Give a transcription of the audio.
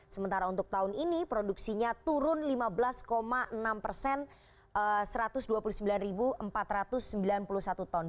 sementara untuk tahun ini produksinya turun lima belas enam persen satu ratus dua puluh sembilan empat ratus sembilan puluh satu ton